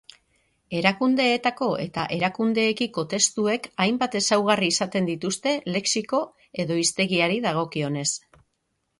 Erakundeetako eta erakundeekiko testuek hainbat ezaugarri izaten dituzte lexiko edo hiztegiari dagokionez.